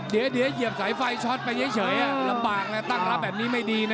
เดี๋ยวเหยียบสายไฟช็อตไปเฉยลำบากนะตั้งรับแบบนี้ไม่ดีนะ